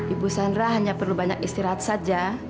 ibu sandra hanya perlu banyak istirahat saja